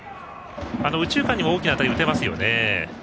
右中間にも大きな当たりを打てますよね。